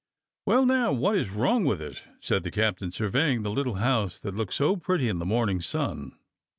"Well, now, what is wrong with it?" said the cap tain, surveying the little house that looked so pretty in the morning sun.